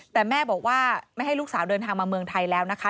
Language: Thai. แต่แม่บอกว่าไม่ให้ลูกสาวเดินทางมาเมืองไทยแล้วนะคะ